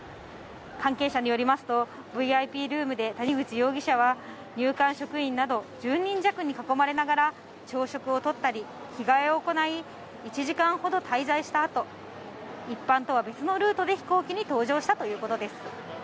関係者によりますとＶＩＰルームで谷口容疑者は入管職員など１０人弱に囲まれながら朝食を取ったり、着替えを行い、１時間ほど滞在した後、一般とは別のルートで飛行機に搭乗したということです。